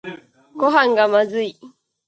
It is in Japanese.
ごはんがまずい